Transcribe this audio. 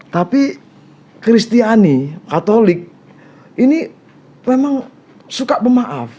tapi kristiani katolik ini memang suka pemaaf